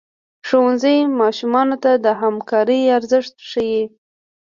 ښوونځی ماشومانو ته د همکارۍ ارزښت ښيي.